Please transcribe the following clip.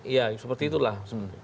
ya seperti itulah